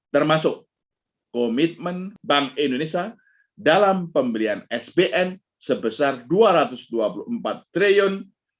termasuk komitmen bank indonesia dalam pemberian sbn sebesar rp dua ratus dua puluh empat triliun